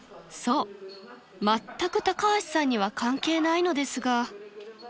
［そうまったく高橋さんには関係ないのですが］